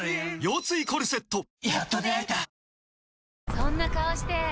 そんな顔して！